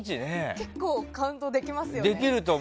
結構カウントできますよね。